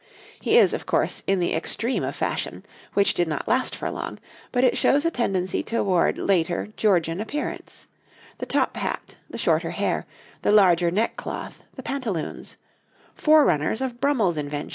He is, of course, in the extreme of fashion, which did not last for long; but it shows a tendency towards later Georgian appearance the top hat, the shorter hair, the larger neckcloth, the pantaloons forerunners of Brummell's invention the open sleeve.